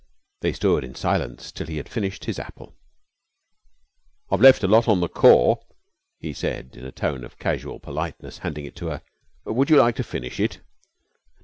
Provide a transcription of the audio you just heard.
They stood in silence till he had finished his apple. "I've left a lot on the core," he said in a tone of unusual politeness, handing it to her, "would you like to finish it?"